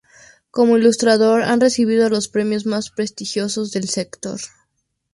Como ilustrador, ha recibido los premios más prestigiosos del sector.